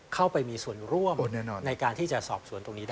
เข้าไปมีส่วนร่วมในการที่จะสอบสวนตรงนี้ได้